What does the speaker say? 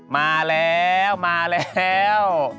มาแล้ว